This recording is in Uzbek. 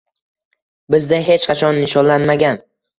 Bizda hech qachon nishonlanmagan.